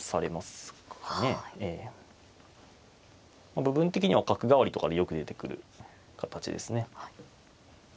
部分的には角換わりとかでよく出てくる形ですね。